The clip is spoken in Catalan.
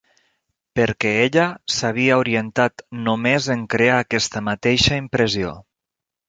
Perquè ella s'havia orientat només en crear aquesta mateixa impressió.